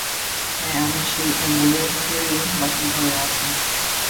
হ্যাঁ, আমি সেই অ্যাম্বুলেন্সেরই বাসিন্দা হয়ে আছি।